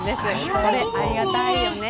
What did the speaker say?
これはありがたいよね。